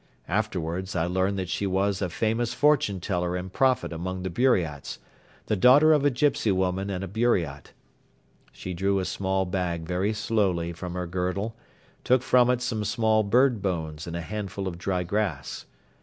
Afterwards I learned that she was a famous fortune teller and prophet among the Buriats, the daughter of a gypsy woman and a Buriat. She drew a small bag very slowly from her girdle, took from it some small bird bones and a handful of dry grass.